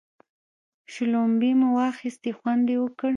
شلومبې مو واخيستې خوند یې وکړ.